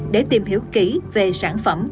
để tìm hiểu kỹ về sản phẩm